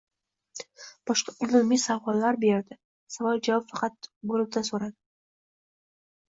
Boshqa umumiy savollar faqat Savol-Javob bo’limida so’raladi